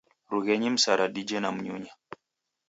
Rughenyi msara dije na mnyunya.